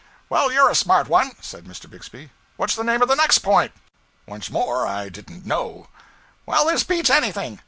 'Well, you're a smart one,' said Mr. Bixby. 'What's the name of the next point?' Once more I didn't know. 'Well, this beats anything.